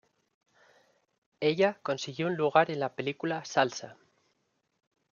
Ella consiguió un lugar en la película "Salsa".